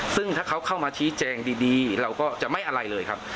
ซึ่งถ้าเขาเข้ามาชี้แจงดีเราก็จะไม่อะไรเลยครับ